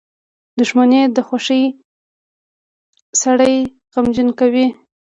• دښمني د خوښۍ سړی غمجن کوي.